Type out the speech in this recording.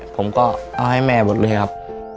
ผมก็เอาให้แม่หมดเลยครับ